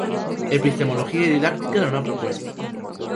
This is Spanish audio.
Epistemología y didáctica de una propuesta".